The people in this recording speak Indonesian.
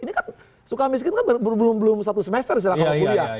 ini kan sukamiskin kan belum satu semester setelah kamu kuliah